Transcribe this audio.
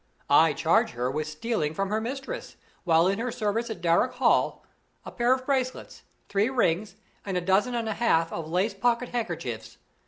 I charge her with stealing from her mistress, while in her service at Darrock Hall, a pair of bracelets, three rings, and a dozen and a half of lace pocket handkerchiefs.